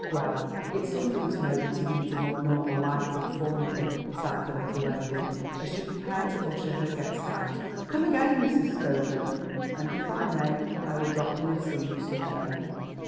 "Well, it's something to know that he leads a more normal life than formerly!" sighed the little lady as she prepared to usher her guest out. "Come again, Mrs. Scoville; and, if I may, I will drop in and see you some day."